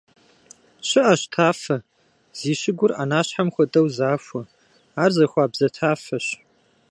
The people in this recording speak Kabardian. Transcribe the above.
ЩыӀэщ тафэ, зи щыгур Ӏэнащхьэм хуэдэу захуэ; ар захуабзэ тафэщ.